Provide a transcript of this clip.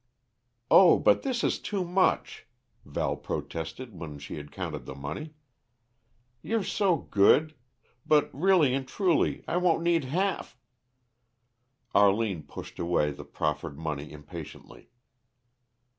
"Oh, but this is too much!" Val protested when she had counted the money. "You're so good but really and truly, I won't need half " Arline pushed away the proffered money impatiently.